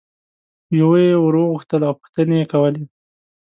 یوه یي ور غوښتل او پوښتنې یې کولې.